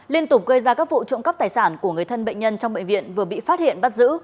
liên tục gây ra các vụ trộm cắp tài sản của người thân bệnh nhân trong bệnh viện vừa bị phát hiện bắt giữ